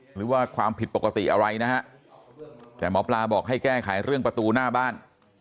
หรือว่าความผิดปกติอะไรนะฮะแต่หมอปลาบอกให้แก้ไขเรื่องประตูหน้าบ้าน